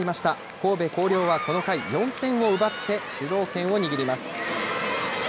神戸弘陵はこの回４点を奪って主導権を握ります。